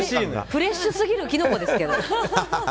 フレッシュすぎるきのこですけど。